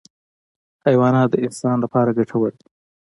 حیوانات د انسان لپاره ګټور دي.